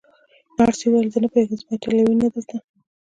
نرسې وویل: زه نه پوهېږم، زما ایټالوي نه ده زده.